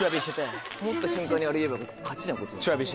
持った瞬間にあれ言えば勝ちじゃんこっち。